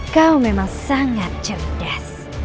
kau memang sangat cerdas